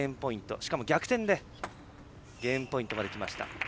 しかも逆転でゲームポイントまできました。